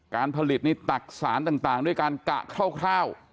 การผลิตนี่ตักสารต่างด้วยการกะคร่าว